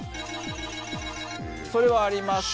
それはあります。